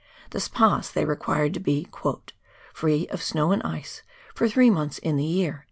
This pass they require to be "free of snow and ice for three months in the year."